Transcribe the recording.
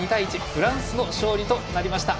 フランスの勝利となりました。